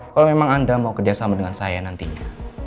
kalau memang anda mau kerjasama dengan saya nantinya